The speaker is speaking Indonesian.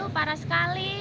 aduh parah sekali